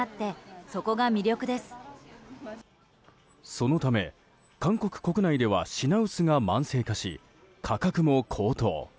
そのため、韓国国内では品薄が慢性化し、価格も高騰。